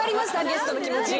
ゲストの気持ち。